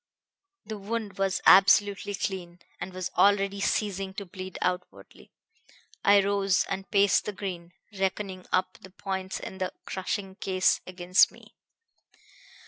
The wound was absolutely clean, and was already ceasing to bleed outwardly. I rose and paced the green, reckoning up the points in the crushing case against me.